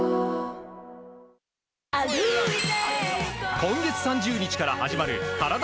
今月３０日から始まるカラダ